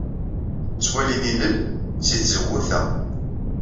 Ttwalin ilel seg tzewwut-a.